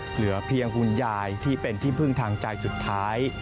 เหลือเพียงคุณยายที่เป็นที่พึ่งทางใจสุดท้าย